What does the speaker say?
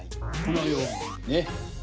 このようにね。